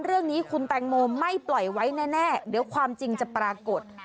เรื่องนี้คุณแตงโมไม่ปล่อยไว้แน่เดี๋ยวความจริงจะปรากฏ